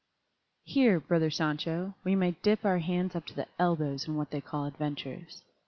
Here, brother Sancho, we may dip our hands up to the elbows in what they call adventures.